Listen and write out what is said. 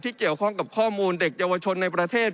เกี่ยวข้องกับข้อมูลเด็กเยาวชนในประเทศ